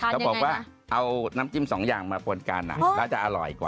เขาบอกว่าเอาน้ำจิ้มสองอย่างมาปนกันแล้วจะอร่อยกว่า